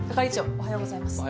おはようございます。